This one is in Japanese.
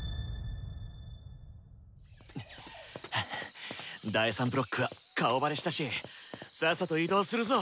ハァ第３ブロックは顔バレしたしさっさと移動するぞ。